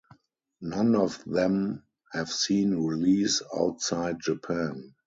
None of them have seen release outside Japan.